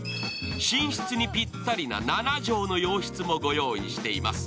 寝室にぴったりな７畳の洋室もご用意しています。